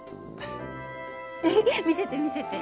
見せて見せて。